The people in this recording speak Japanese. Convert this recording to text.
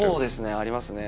ありますね。